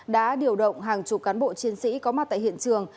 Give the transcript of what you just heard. đã điều động hàng chục cán bộ chiến sĩ có mặt tại hiện trường